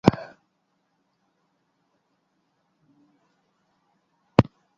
Asimismo, Tolosa es de sobra conocida por su gran actividad cultural.